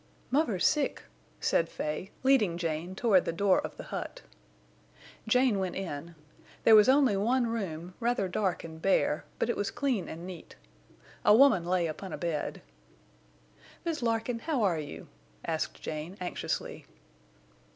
"Muvver's sick," said Fay, leading Jane toward the door of the hut. Jane went in. There was only one room, rather dark and bare, but it was clean and neat. A woman lay upon a bed. "Mrs. Larkin, how are you?" asked Jane, anxiously.